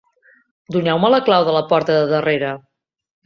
Doneu-me la clau de la porta de darrere.